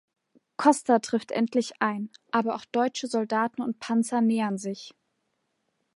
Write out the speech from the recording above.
Costa trifft endlich ein, aber auch deutsche Soldaten und Panzer nähern sich.